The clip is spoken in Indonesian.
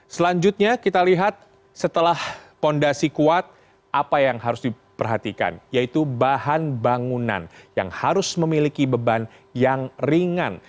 selanjutnya kita lihat setelah fondasi kuat apa yang harus diperhatikan yaitu bahan bangunan yang harus memiliki beban yang ringan